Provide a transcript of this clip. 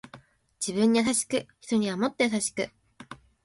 自分に優しく人にはもっと優しく